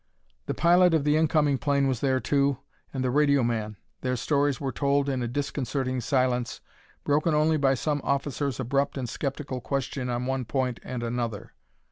The pilot of the incoming plane was there, too, and the radio man. Their stories were told in a disconcerting silence, broken only by some officer's abrupt and skeptical question on one point and another.